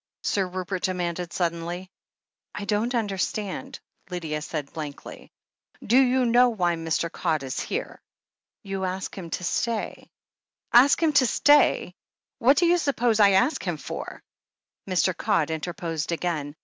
Sir Rupert demanded suddenly. "I don't understand," Lydia said blankly. "Do you know why Mr. Codd is here ?" "You asked him to stay." "Asked him to stay ! What do you suppose I asked him for?" Mr. Codd interposed again.